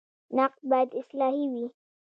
نقد باید اصلاحي وي